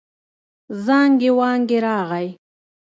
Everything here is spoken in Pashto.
زانګې وانګې راغی.